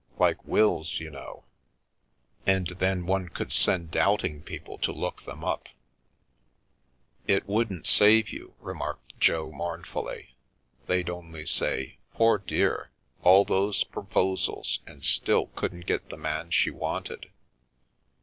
Like wills, you know. And then one could send doubt ing people to look them up." " It wouldn't save you," remarked Jo, mournfully, " they'd only say, ' Poor dear ! All those proposals, and still couldn't get the man she wanted